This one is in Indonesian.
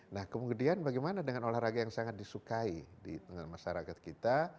nah kemudian bagaimana dengan olahraga yang sangat disukai di tengah masyarakat kita